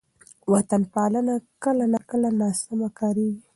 وطن پالنه کله ناکله ناسمه کارېږي.